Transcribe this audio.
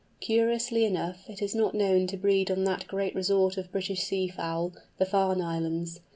Curiously enough, it is not known to breed on that great resort of British sea fowl, the Farne Islands.